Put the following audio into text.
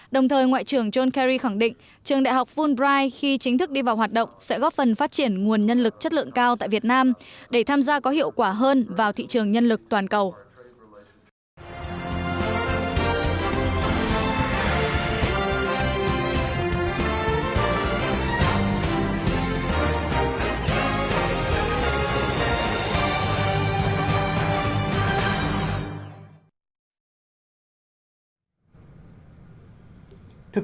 đồng thời ngoại trưởng john kerry khẳng định trường đại học fulbright khi chính thức đi vào hoạt động sẽ góp phần phát triển nguồn nhân lực chất lượng cao tại việt nam để tham gia có hiệu quả hơn vào thị trường nhân lực toàn cầu